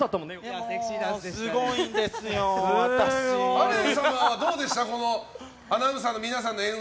アレン様はどうでした？